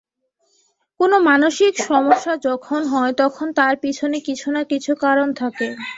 কোনো মানসিক সমস্যা যখন হয় তখন তার পিছনে কিছু-না-কিছু কারণ থাকে।